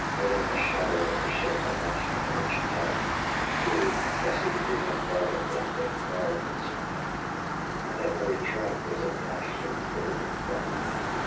Within the shadow of the ship I watched their rich attire: Blue, glossy green, and velvet black, They coiled and swam; and every track Was a flash of golden fire.